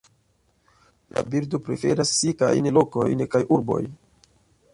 La birdo preferas sekajn lokojn kaj urbojn.